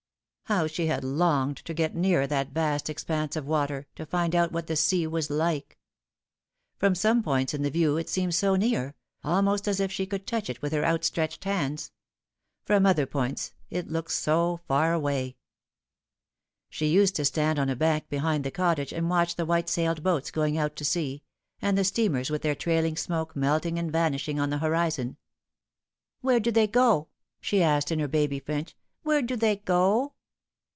How she had longed to get nearer that vast expanse of water, to find out what the sea was like ! From some points in the view it seemed so near, almost as if she could touch it with her out stretched hands ; from other points it looked so far away. She used to stand on a bank behind the cottage and watch the white sailed boats going out to sea, and the steamers with their trailing smoke melting and vanishing on the horizon. " Where do they go?" she asked in her baby French. "Where do they go